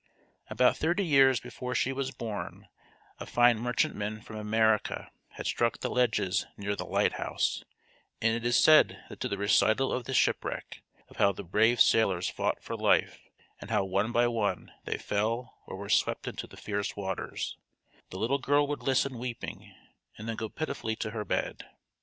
About thirty years before she was born a fine merchantman from America had struck the ledges near the lighthouse, and it is said that to the recital of this ship wreck, of how the brave sailors fought for life and how one by one they fell or were swept into the fierce waters, the little girl would listen weeping, and then go pitifully to her bed.